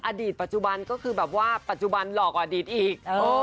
อดีตปัจจุบันก็คือแบบว่าปัจจุบันหลอกกว่าอดีตอีก